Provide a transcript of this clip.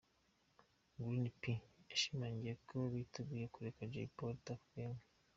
Green P yashimangiye ko biteguye kurekera Jay Polly, Tuff Gangs.